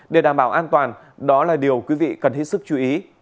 để đảm bảo an toàn đó là điều quý vị cần hết sức chú ý